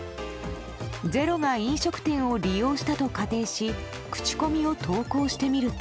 「ｚｅｒｏ」が飲食店を利用したと仮定し口コミを投稿してみると。